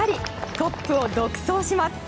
トップを独走します。